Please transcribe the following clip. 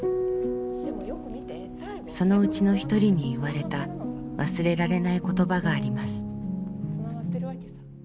そのうちの一人に言われた忘れられない言葉があります。